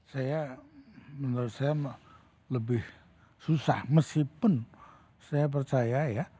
saya menurut saya lebih susah meskipun saya percaya ya